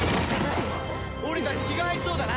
俺たち気が合いそうだな。